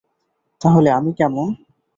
তাহলে আমি কেমন?